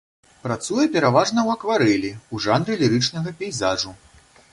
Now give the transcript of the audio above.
Працуе пераважна ў акварэлі, у жанры лірычнага пейзажу.